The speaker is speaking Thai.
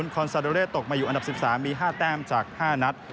คอนซาโดเล่ตกมาอยู่อันดับ๑๓มี๕แต้มจาก๕นัด